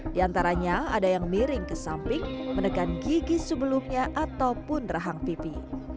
di antaranya ada yang miring ke samping menekan gigi sebelumnya ataupun rahang pipi